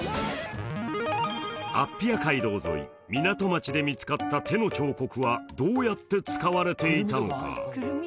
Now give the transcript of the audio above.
アッピア街道沿い港町で見つかった手の彫刻はどうやって使われていたのか？